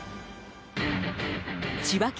千葉県